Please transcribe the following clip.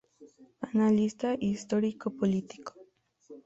Analista histórico-político.